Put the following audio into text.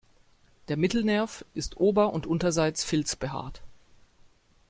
Der Mittelnerv ist ober- und unterseits filz behaart.